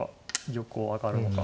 玉を上がるのか。